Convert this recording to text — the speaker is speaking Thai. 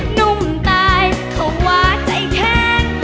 หนุ่มตายเขาว่าใจแข็ง